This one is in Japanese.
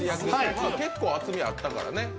結構厚みあったからね。